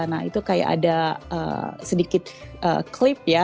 nah itu kayak ada sedikit klip ya